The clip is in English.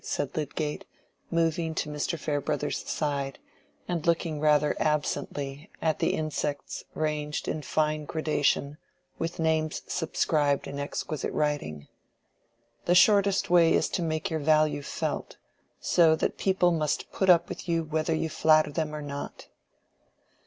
said Lydgate, moving to Mr. Farebrother's side, and looking rather absently at the insects ranged in fine gradation, with names subscribed in exquisite writing. "The shortest way is to make your value felt, so that people must put up with you whether you flatter them or not."